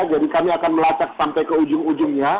jadi kami akan melacak sampai ke ujung ujungnya